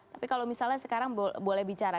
tapi kalau misalnya sekarang boleh bicara